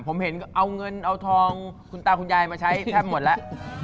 ผมเห็นเอาเงินเอาทองคุณตาคุณยายมาใช้แทบหมดแล้ว